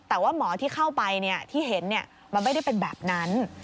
แต่ว่าหมอที่เข้าไปที่เห็นมันไม่ได้เป็นแบบนั้น